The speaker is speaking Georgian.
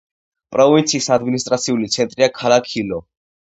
პროვინციის ადმინისტრაციული ცენტრია ქალაქი ილო.